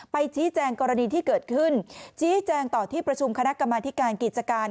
ไปชี้แจงกรณีที่เกิดขึ้นชี้แจงต่อที่ประชุมคณะกรรมธิการกิจการ